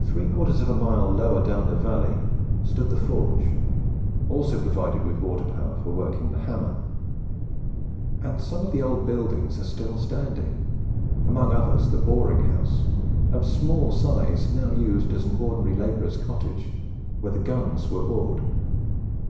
Three quarters of a mile lower down the valley stood the forge, also provided with water power for working the hammer; and some of the old buildings are still standing, among others the boring house, of small size, now used as an ordinary labourer's cottage, where the guns were bored.